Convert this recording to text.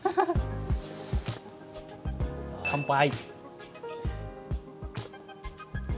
乾杯！